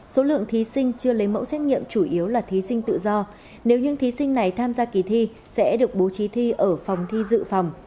số lượng thí sinh chưa lấy mẫu xét nghiệm chủ yếu là thí sinh tự do nếu những thí sinh này tham gia kỳ thi sẽ được bố trí thi ở phòng thi dự phòng